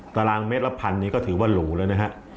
ตารางเมตรละพันนี้ก็ถือว่าหรูแล้วนะฮะ